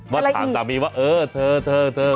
ว่าถามสามีว่าเออเธอ